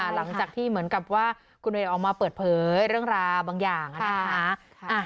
หลังจากที่เหมือนกับว่าคุณเวย์ออกมาเปิดเผยเรื่องราวบางอย่างนะคะ